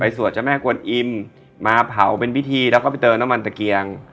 สวดเจ้าแม่กวนอิ่มมาเผาเป็นพิธีแล้วก็ไปเติมน้ำมันตะเกียง